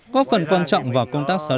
có phần quan trọng vào công tác sở dịch